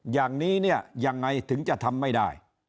อย่างนี้เนี่ยยังไงถึงจะทำไม่ได้